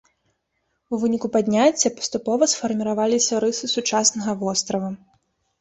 У выніку падняцця паступова сфарміраваліся рысы сучаснага вострава.